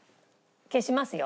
消しますよ。